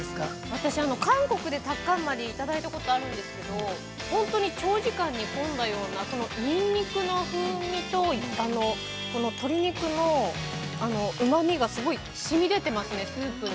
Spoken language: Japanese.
◆私韓国でタッカンマリをいただいたことがあるんですけれども、本当に、長時間煮込んだような、ニンニクの風味とこの鶏肉のうまみがすごいしみ出てますね、スープに。